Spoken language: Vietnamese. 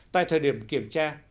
tại thời điểm kiểm tra